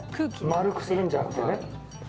丸くするんじゃなくてね。